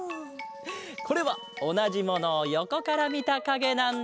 これはおなじものをよこからみたかげなんだ！